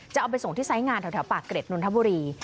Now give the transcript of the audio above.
จะเอาไปส่งที่ไซส์งานแถวปากเกร็ดนนทบุรี